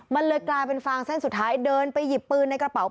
มันเลยกลายเป็นฟางเส้นสุดท้ายเดินไปหยิบปืนในกระเป๋า